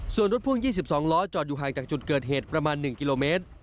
ส่วนรถพ่วง๒๒ล้อจอดอยู่ห่างจากจุดเกิดเหตุประมาณ๑กิโลเมตร